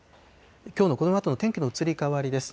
きょうのこのあとの天気の移り変わりです。